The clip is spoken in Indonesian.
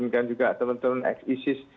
dan juga teman teman ex isis